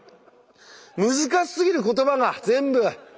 難しすぎる言葉が全部！